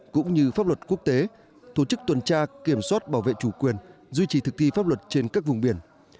cũng như pháp luật quốc tế tổ chức tuần tra kiểm soát bảo vệ chủ quyền duy trì thực thi pháp luật trên các vùng biển